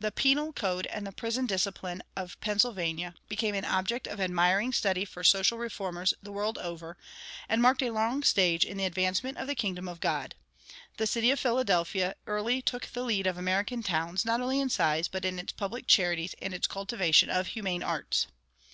The penal code and the prison discipline of Pennsylvania became an object of admiring study for social reformers the world over, and marked a long stage in the advancement of the kingdom of God. The city of Philadelphia early took the lead of American towns, not only in size, but in its public charities and its cultivation of humane arts.